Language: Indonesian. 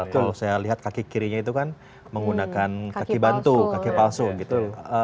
betul saya lihat kaki kirinya itu kan menggunakan kaki bantu kaki palsu gitu